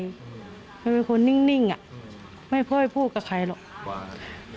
มันเป็นคนนิ่งอ่ะไม่ค่อยพูดกับใครหรอก